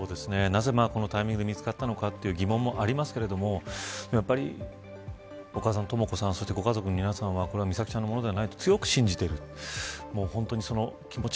なぜ、このタイミングで見つかった疑問もありますけれどもやっぱり、お母さんのとも子さんそしてご家族の皆さんはこれは美咲さんのものではないと強く信じている。